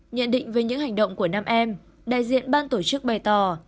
nhận định về những hành động của nam em đại diện ban tổ chức bày tỏ